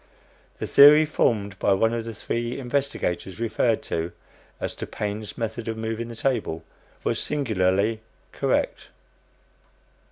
The theory formed by one of the three investigators referred to, as to Paine's method of moving the table, was singularly correct.